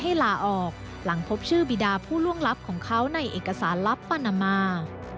ลาออกหลังพบชื่อบิดาผู้ล่วงลับของเขาในเอกสารลับปานามา